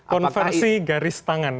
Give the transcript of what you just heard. konversi garis tangan